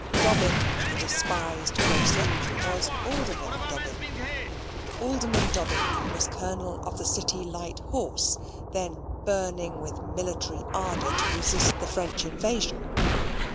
Dobbin, the despised grocer, was Alderman Dobbin Alderman Dobbin was Colonel of the City Light Horse, then burning with military ardour to resist the French Invasion.